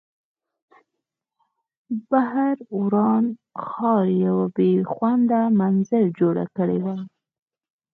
بهر وران ښار یوه بې خونده منظره جوړه کړې وه